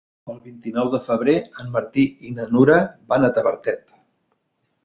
El vint-i-nou de febrer en Martí i na Nura van a Tavertet.